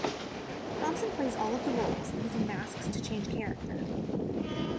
Thomson plays all of the roles, using masks to change character.